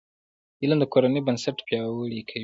علم د کورنۍ بنسټ پیاوړی کوي.